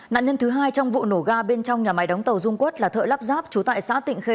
nạn nhân thứ hai trong vụ nổ ga bên trong nhà máy đóng tàu dung quất là thợ lắp ráp trú tại xã tịnh khê